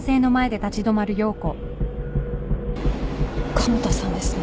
加茂田さんですね。